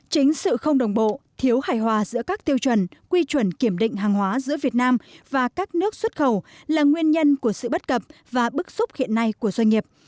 chính sự không đồng bộ thiếu hài hòa giữa các tiêu chuẩn quy chuẩn kiểm định hàng hóa giữa việt nam và các nước xuất khẩu là nguyên nhân của sự bất cập và bức xúc hiện nay của doanh nghiệp